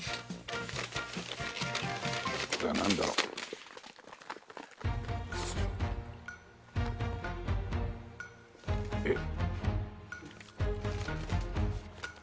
これはなんだろう？えっ。